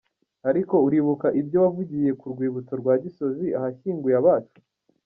Ariko uribuka ibyo wavugiye ku Rwibutso rwa Gisozi ahashyinguye abacu?